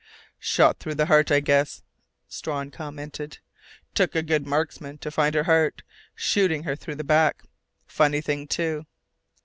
"Shot through the heart, I guess," Strawn commented. "Took a good marksman to find her heart, shooting her through the back.... Funny thing, too.